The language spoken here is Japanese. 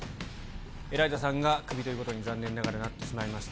エライザさんがクビということに、残念ながらなってしまいました。